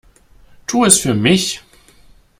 Tu es für mich!